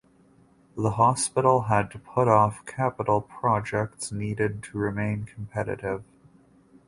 The hospital had to put off capital projects needed to remain competitive.